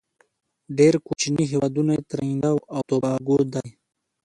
ډیر کوچینی هیوادونه یې تريندا او توباګو دی.